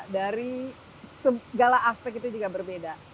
dari segala aspek itu juga berbeda